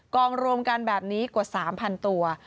รวมกันแบบนี้กว่า๓๐๐ตัว